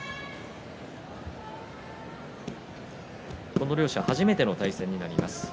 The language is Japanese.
この両者初めての対戦になります。